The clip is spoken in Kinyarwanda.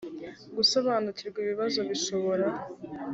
gusobanukirwa ibibazo bishobora